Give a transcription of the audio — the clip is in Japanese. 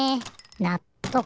なっとく。